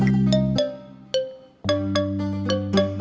gue punya air masu